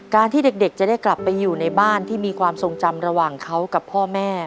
ที่เด็กจะได้กลับไปอยู่ในบ้านที่มีความทรงจำระหว่างเขากับพ่อแม่